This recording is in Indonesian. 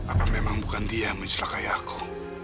apa memang bukan dia yang mencukai aku